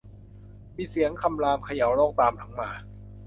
มีเสียงคำรามเขย่าโลกตามหลังมา